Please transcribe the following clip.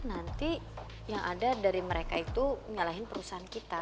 nanti yang ada dari mereka itu nyalahin perusahaan kita